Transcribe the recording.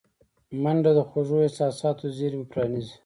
منډه د خوږو احساساتو زېرمې پرانیزي